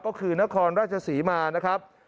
ก็คือนครราชศรีมานะครับ